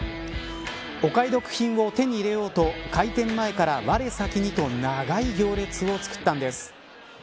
お買い得品を手に入れようと開店前から我先にと長い行列を作ったんです。